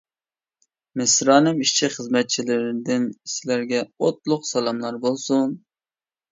مىسرانىم ئىشچى-خىزمەتچىلىرىدىن سىلەرگە ئوتلۇق سالاملار بولسۇن.